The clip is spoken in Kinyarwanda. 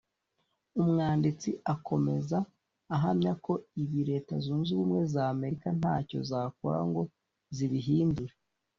…Umwanditsi akomeza ahamya ko ibi Leta Zunze Ubumwe za Amerika ntacyo zakora ngo zibihindure